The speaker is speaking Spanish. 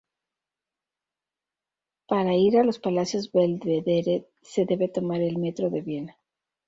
Para ir a los Palacios Belvedere se debe tomar el Metro de Viena.